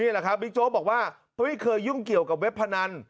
เราบอกว่าเภยเคยยุ่งเกี่ยวกับเว็บประนัน